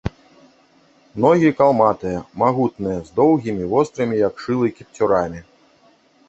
Ногі калматыя, магутныя, з доўгімі, вострымі, як шылы, кіпцюрамі.